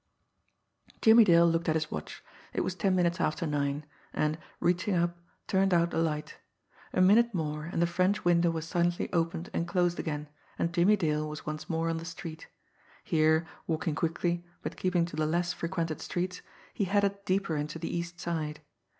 Jimmie Dale looked at his watch it was ten minutes after nine and, reaching up, turned out the light. A minute more and the French window was silently opened and closed again, and Jimmie Dale was once more on the street. Here, walking quickly, but keeping to the less frequented streets, he headed deeper into the East Side.